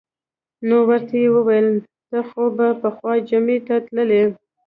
نو ورته یې وویل: ته خو به پخوا جمعې ته تللې.